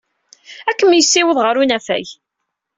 Ad kem-yessiweḍ ɣer unafag.